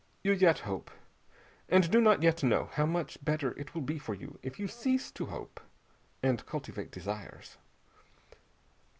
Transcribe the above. You yet hope, and do not yet know how much better it will be for you if you cease to hope, and cultivate desires!